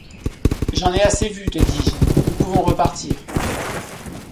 J’en ai assez vu, te dis-je ; nous pouvons repartir.